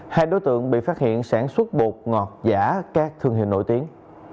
hai đối tượng bị phát hiện sản xuất bột ngọt giả các thương hiệu nổi tiếng